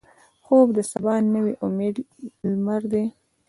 خوب د سبا نوې امیدي لمر دی